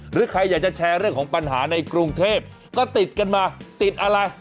หรือใครอยากจะแชร์เรื่องของปัญหาในกรุงเทพก็ติดกันมาติดอะไร